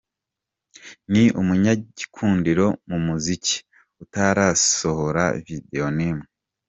Ni umunyagikundiro mu muziki utarasohora video n’imwe.